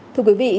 thưa quý vị